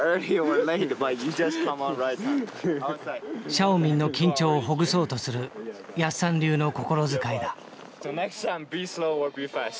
シャオミンの緊張をほぐそうとするやっさん流の心遣いだ。